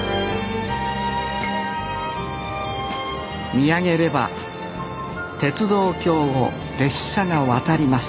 見上げれば鉄道橋を列車が渡ります